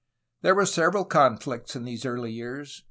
There were several conflicts in these early years.